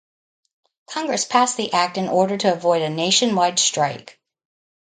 Congress passed the Act in order to avoid a nationwide strike.